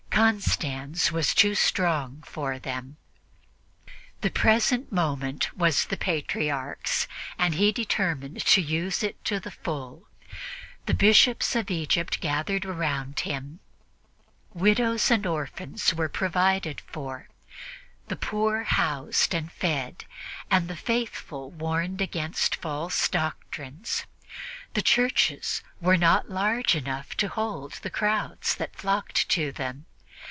Constans was too strong for them. The present moment was the Patriarch's, and he determined to use it to the full. The Bishops of Egypt gathered around him; widows and orphans were provided for, the poor housed and fed and the faithful warned against false doctrines. The churches were not large enough to hold the crowds that flocked to them.